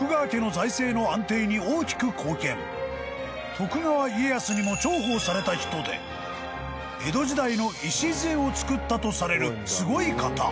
［徳川家康にも重宝された人で江戸時代の礎をつくったとされるすごい方］